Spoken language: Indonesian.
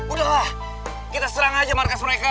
udah lah kita serang aja markas mereka